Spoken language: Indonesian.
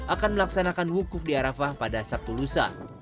akan melaksanakan wukuf di arafah pada sabtu lusa